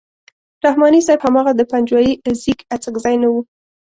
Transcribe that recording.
رحماني صاحب هماغه د پنجوایي زېږ اڅکزی نه وو.